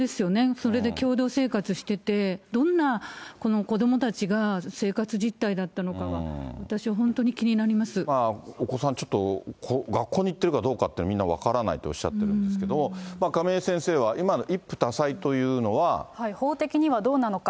それで共同生活してて、どんなこの子どもたちが生活実態だったのかが、私、本当に気になお子さん、ちょっと、学校に行ってるかどうかっていうのは、みんな分からないとおっしゃってるんですけど、亀井先生は、法的にはどうなのか。